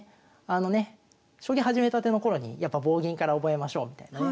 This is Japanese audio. あのね将棋始めたての頃にやっぱ棒銀から覚えましょうみたいなね